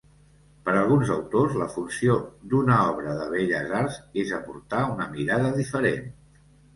Per alguns autors, la funció d'una obra de belles arts és aportar una mirada diferent.